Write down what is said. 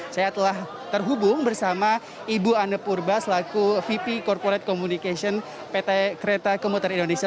saya telah terhubung bersama ibu anne purba selaku vp corporate communication pt kereta komuter indonesia